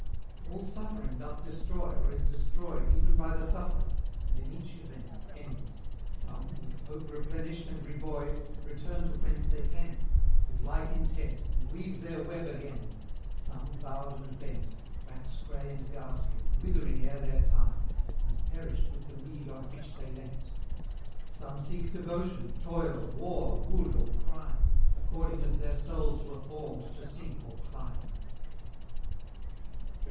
All suffering doth destroy, or is destroyed, Even by the sufferer; and, in each event, Ends: Some, with hope replenished and rebuoyed, Return to whence they came with like intent, And weave their web again; some, bowed and bent, Wax grey and ghastly, withering ere their time, And perish with the reed on which they leant; Some seek devotion, toil, war, good or crime, According as their souls were formed to sink or climb. XXIII.